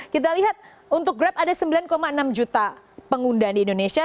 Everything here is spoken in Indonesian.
kita lihat untuk grab ada sembilan enam juta pengguna di indonesia